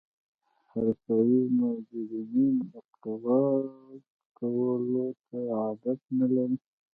حرفوي مجرمین اقرار کولو ته عادت نلري